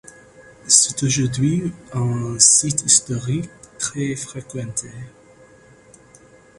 C'est aujourd'hui un site historique très fréquenté.